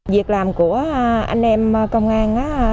việc làm của anh em công an